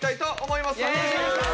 よろしくお願いします！